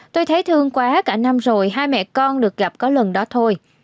tôi thấy thương quá cả năm rồi hai mẹ con được gặp có lần đó thôi